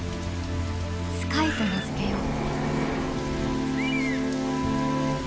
「スカイ」と名付けよう。